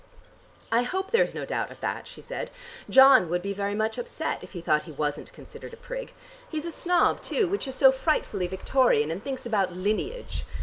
"I hope there's no doubt of that," she said. "John would be very much upset if he thought he wasn't considered a prig. He is a snob too, which is so frightfully Victorian, and thinks about lineage.